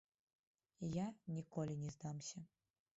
Я ніколі не здамся.